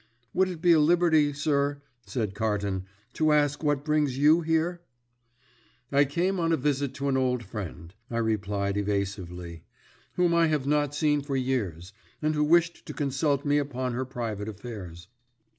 "Would it be a liberty, sir," said Carton, "to ask what brings you here?" "I came on a visit to an old friend," I replied evasively, "whom I have not seen for years, and who wished to consult me upon her private affairs."